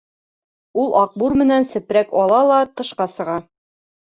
Ул аҡбур менән сепрәк ала ла тышҡа сыға.